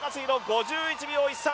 ５１秒１３！